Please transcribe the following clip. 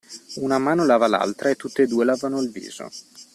Una mano lava l'altra e tutte e due lavano il viso.